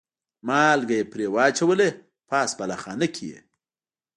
مالګه یې پرې واچوله او پاس بالاخانه کې یې.